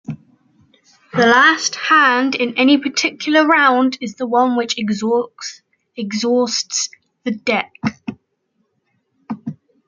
The last hand in any particular round is the one which exhausts the deck.